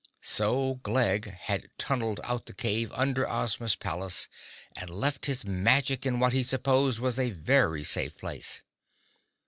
So Glegg had tunneled out the cave under Ozma's palace and left his magic in what he supposed was a very safe place.